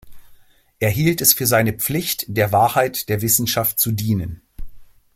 Er hielt es für seine Pflicht, der Wahrheit der Wissenschaft zu dienen.